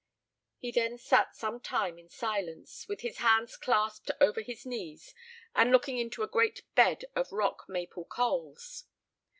He then sat some time in silence, with his hands clasped over his knees, and looking into a great bed of rock maple coals.